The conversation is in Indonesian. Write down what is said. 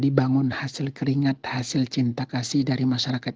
dibangun hasil keringat hasil cinta kasih dari masyarakat